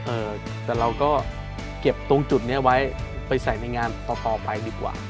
เออแต่เราก็เก็บตรงจุดนี้ไว้ไปใส่ในงานต่อไปดีกว่า